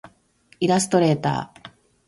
イラストレーター